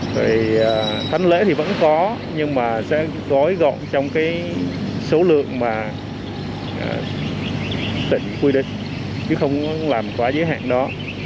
thì thánh lễ thì vẫn có nhưng mà sẽ gói gọn trong cái số lượng mà tỉnh quy định chứ không làm quả giới hạn đó